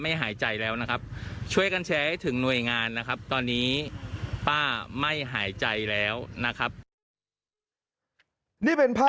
มาบนสวนกล้วยไปสอบถามข้อที่จริงจนทราบว่า